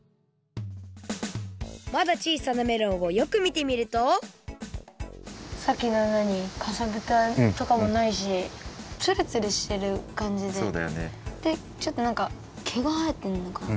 まだちいさなメロンをよくみてみるとさっきののようにかさぶたとかもないしつるつるしてるかんじででちょっとなんかけがはえてんのかな。